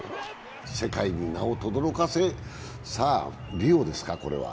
世界に名をとどろかせさあ、リオですか、これは。